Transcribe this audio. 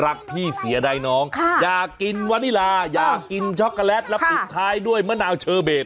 รักพี่เสียดายน้องอยากกินวานิลาอยากกินช็อกโกแลตแล้วปิดท้ายด้วยมะนาวเชอเบส